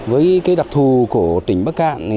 với cái đặc thù của tỉnh bắc cạn